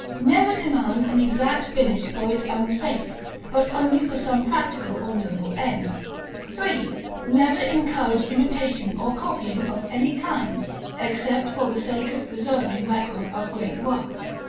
Never demand an exact finish for its own sake, but only for some practical or noble end. 3. Never encourage imitation or copying of any kind, except for the sake of preserving record of great works.